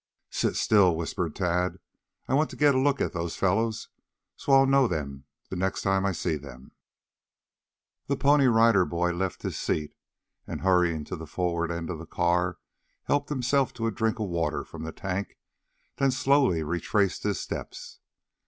"Sit still," whispered Tad. "I want to get a look at those fellows so I'll know them next time I see them." The Pony Rider boy left his seat, and hurrying to the forward end of the car, helped himself to a drink of water from the tank; then slowly retraced his steps.